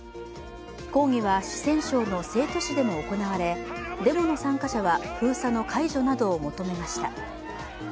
抗議は四川省の成都市でも行われデモの参加者は封鎖の解除などを求めました。